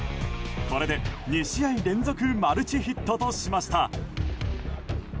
これで２試合連続マルチヒットとしました。